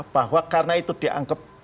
bahwa karena itu dianggap